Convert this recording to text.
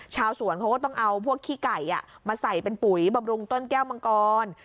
ชาวสวนเขาก็ต้องเอาพวกขี้ไก่มาใส่เป็นปุ๋ยบำรุงต้นแก้วมังกร